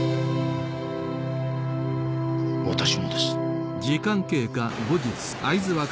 私もです。